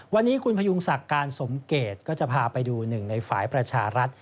วันนี้คุณพยุงศักดิ์การสมเกตก็จะพาไปดูหนึ่งในฝ่ายประชารัฐ